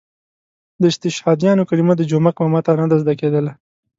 د استشهادیانو کلمه د جومک ماما ته نه زده کېدله.